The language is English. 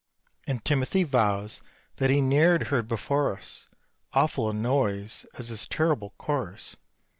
And Timothy vows that he ne'er heard before as Awful a noise as this terrible chorus!